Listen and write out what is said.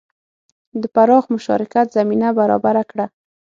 د پراخ مشارکت زمینه برابره کړه.